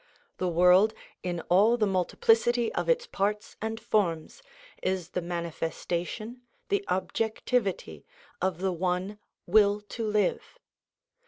The world, in all the multiplicity of its parts and forms, is the manifestation, the objectivity, of the one will to live.